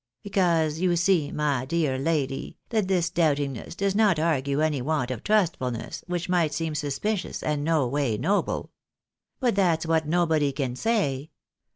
Because you see, my dear lady, that this doubtingness does not argue any want of trustfulness, which might seem suspicious and no way noble. But that's what nobody can say.